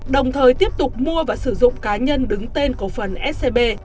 đồng thời tiếp tục mua và sử dụng cá nhân đứng tên cổ phần scb